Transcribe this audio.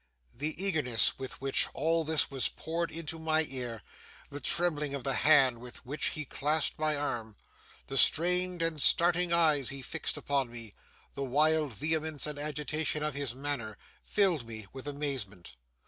The eagerness with which all this was poured into my ear, the trembling of the hand with which he clasped my arm, the strained and starting eyes he fixed upon me, the wild vehemence and agitation of his manner, filled me with amazement.